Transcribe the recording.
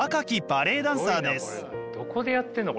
どこでやってんの？